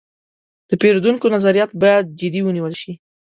د پیرودونکو نظریات باید جدي ونیول شي.